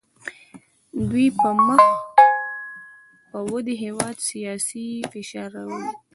دوی په مخ پر ودې هیوادونو سیاسي فشار راوړي